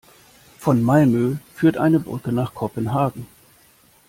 Von Malmö führt eine Brücke nach Kopenhagen.